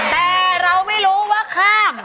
แต่เราไม่รู้ว่าข้าม